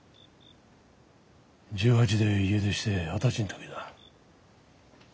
１８で家出して二十歳の時だ。